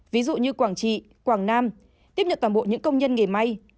ví dụ như quảng trị quảng nam tiếp nhận toàn bộ những công nhân nghề may